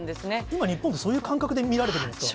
今、日本ってそういう感覚で見られてるんですか？